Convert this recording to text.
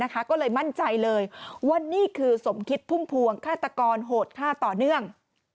ก็เลยมั่นใจเลยว่านี่คือสมคิดพุ่มพวงฆาตกรโหดฆ่าต่อเนื่อง